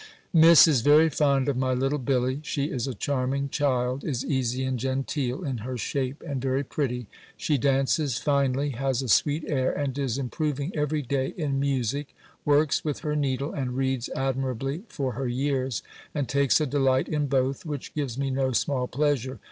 "Miss is very fond of my little Billy: she is a charming child, is easy and genteel in her shape, and very pretty; she dances finely, has a sweet air, and is improving every day in music; works with her needle, and reads admirably for her years; and takes a delight in both, which gives me no small pleasure.